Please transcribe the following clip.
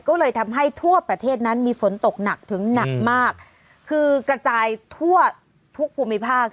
ก็เลยทำให้ทั่วประเทศนั้นมีฝนตกหนักถึงหนักมากคือกระจายทั่วทุกภูมิภาค